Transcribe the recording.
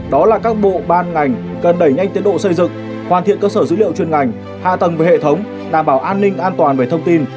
đó là các bộ ban ngành cần đẩy nhanh tiến độ xây dựng hoàn thiện cơ sở dữ liệu chuyên ngành hạ tầng với hệ thống đảm bảo an ninh an toàn về thông tin